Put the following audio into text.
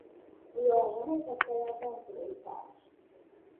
— Uyog‘ini kattalardan so‘raysan.